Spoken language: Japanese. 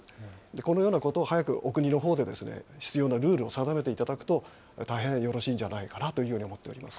このようなことを早くお国のほうで必要なルールを定めていただくと、大変よろしいんじゃないかなと思っております。